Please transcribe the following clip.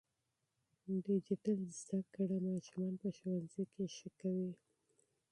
ډیجیټل زده کړه ماشومان په ښوونځي کې ښه کوي.